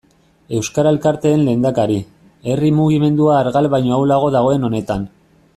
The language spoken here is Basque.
Euskara elkarteen lehendakari, herri mugimendua argal baino ahulago dagoen honetan.